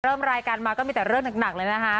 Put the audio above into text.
เริ่มรายการมาก็มีแต่เรื่องหนักเลยนะคะ